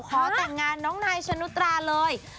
ขอแต่งงานน้องนายชนุตราเลย